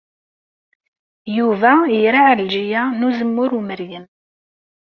Yuba ira Ɛelǧiya n Uzemmur Umeryem.